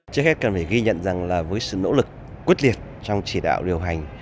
trước hết cần phải ghi nhận rằng là với sự nỗ lực quyết liệt trong chỉ đạo điều hành